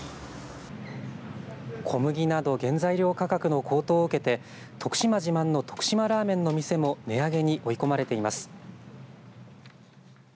小麦など原材料価格の高騰を受けて徳島自慢の徳島ラーメンの店も値上げに追い込まれています。